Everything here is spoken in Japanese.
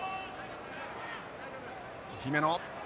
姫野。